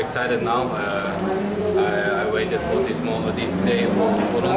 saya sangat teruja sekarang